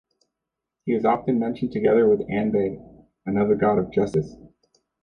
He is often mentioned together with Anbay, another god of justice.